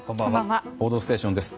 「報道ステーション」です。